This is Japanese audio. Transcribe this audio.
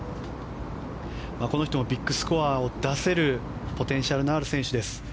この人もビッグスコアを出せるポテンシャルのある選手です。